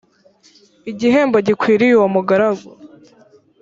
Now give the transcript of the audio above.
igihembo gikwiriye uwo mugaragu